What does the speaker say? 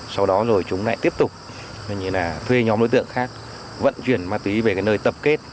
sau đó rồi chúng lại tiếp tục thuê nhóm đối tượng khác vận chuyển ma túy về nơi tập kết